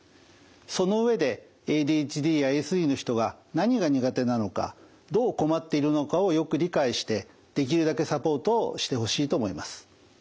その上でＡＤＨＤやＡＳＤの人が何が苦手なのかどう困っているのかをよく理解してできるだけサポートをしてほしいと思います。